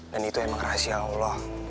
dan itu emang rahasia allah